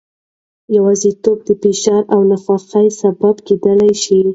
یوازیتوب د فشار او ناخوښۍ سبب کېدای شي.